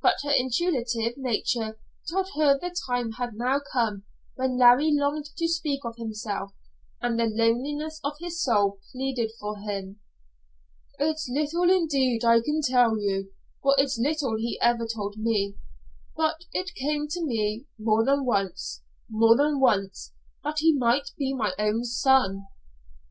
But her intuitive nature told her the time had now come when Larry longed to speak of himself, and the loneliness of his soul pleaded for him. "It's little indeed I can tell you, for it's little he ever told me, but it came to me more than once more than once that he might be my own son."